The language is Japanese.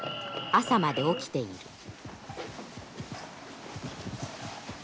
朝まで起きている。